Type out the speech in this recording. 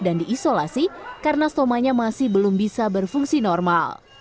dan diisolasi karena stomanya masih belum bisa berfungsi normal